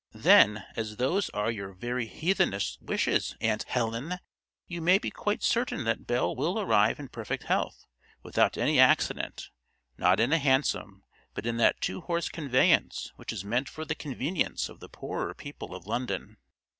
"Then, as those are your very heathenish wishes, Aunt Helen, you may be quite certain that Belle will arrive in perfect health, without any accident, not in a hansom, but in that two horse conveyance which is meant for the convenience of the poorer people of London."